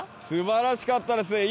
すばらしかったです